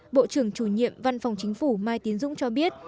bộ trưởng chủ nhiệm văn phòng chính phủ mai tiến dũng cho biết